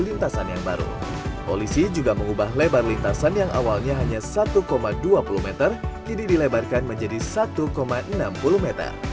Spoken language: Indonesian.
lintasan yang baru polisi juga mengubah lebar lintasan yang awalnya hanya satu dua puluh m jadi dilebarkan menjadi satu enam puluh m